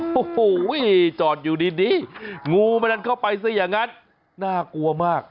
โอ้โหจอดอยู่ดีงูมันดันเข้าไปซะอย่างนั้นน่ากลัวมาก